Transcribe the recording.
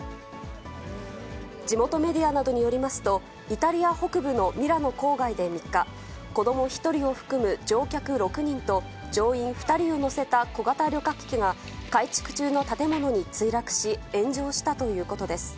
地元メディアなどによりますと、イタリア北部のミラノ郊外で３日、子ども１人を含む乗客６人と乗員２人を乗せた小型旅客機が改築中の建物に墜落し炎上したということです。